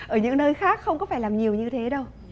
ở những nơi khác không có phải làm nhiều như thế đâu